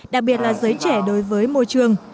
đặc biệt là giới trẻ đối với môi trường